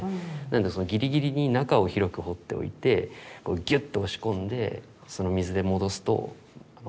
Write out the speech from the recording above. なのでギリギリに中を広く彫っておいてギュッと押し込んで水で戻すとはまる。